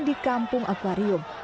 di kampung akwarium